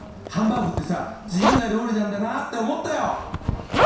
ハンバーグってさ自由な料理なんだなって思ったよ。